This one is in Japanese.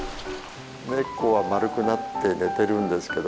ネコは丸くなって寝てるんですけど